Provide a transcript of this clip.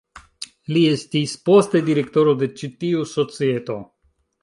Li estis poste direktoro de ĉi-tiu societo.